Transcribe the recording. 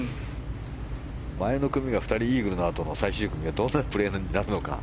前の組が２人イーグルのあとの最終組はどんなプレーになるのか。